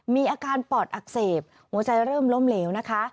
มีอาการปอดอักเสบหัวใจเริ่มล้มเหลวนะคะ